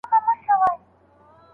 کړکۍ څخه چاڼ کوو، لویه ده.